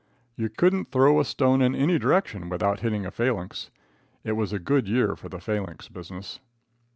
You couldn't throw a stone in any direction without hitting a phalanx. It was a good year for the phalanx business.